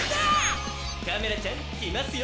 カメラちゃん来ますよ！